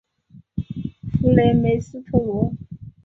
弗雷梅斯特罗。